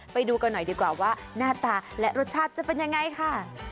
ไปดูกันหน่อยดีกว่าว่าหน้าตาและรสชาติจะเป็นยังไงค่ะ